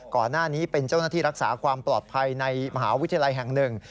ก่อนหน้านี้เป็นเจ้าหน้าที่รักษาความปลอดภัยในมหาวิทยาลัยแห่งหนึ่ง